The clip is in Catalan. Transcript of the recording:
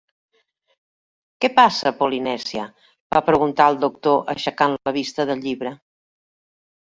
"Què passa, Polynesia?" va preguntar el doctor, aixecant la vista del llibre.